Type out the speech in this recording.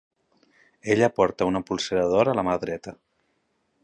Ella porta una polsera d'or a la mà dreta.